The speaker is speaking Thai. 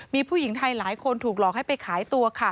มีผู้หญิงไทยหลายคนถูกหลอกให้ไปขายตัวค่ะ